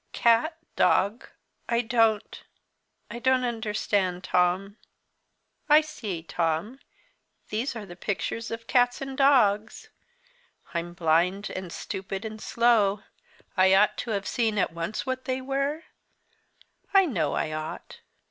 "Cat dog? I don't I don't understand, Tom I see, Tom, these are the pictures of cats and dogs. I'm blind, and stupid, and slow. I ought to have seen at once what they were? I know I ought.